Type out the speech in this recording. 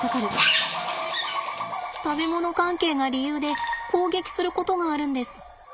食べ物関係が理由で攻撃することがあるんです。